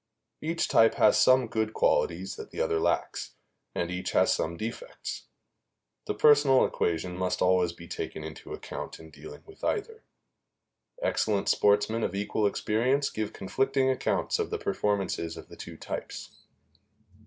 Each type has some good qualities that the other lacks, and each has some defects. The personal equation must always be taken into account in dealing with either; excellent sportsmen of equal experience give conflicting accounts of the performances of the two types.